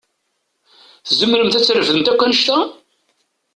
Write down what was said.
Tzemremt ad trefdemt akk annect-a?